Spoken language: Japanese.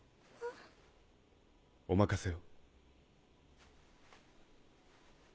お任せを。